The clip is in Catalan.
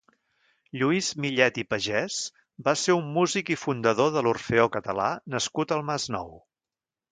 Lluís Millet i Pagès va ser un músic i fundador de l'Orfeó Català nascut al Masnou.